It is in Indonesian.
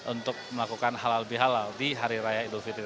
untuk melakukan halal bihalal di hari raya idul fitri